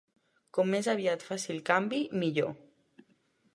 Com més aviat faci el canvi, millor.